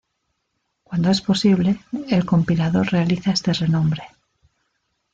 Cuando es posible, el compilador realiza este renombre.